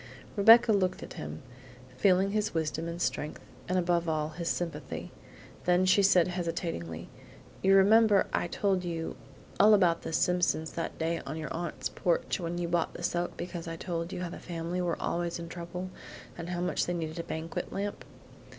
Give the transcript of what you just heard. Rebecca looked at him, feeling his wisdom and strength, and above all his sympathy. Then she said hesitatingly: "You remember I told you all about the Simpsons that day on your aunt's porch when you bought the soap because I told you how the family were always in trouble and how much they needed a banquet lamp?